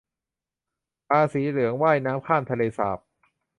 ปลาสีเหลืองว่ายน้ำข้ามทะเลสาบ